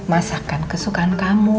masakan kesukaan kamu